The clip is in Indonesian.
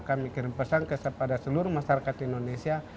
kami kirim pesan kepada seluruh masyarakat indonesia